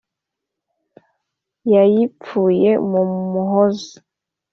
Yayipfuye na Muhozi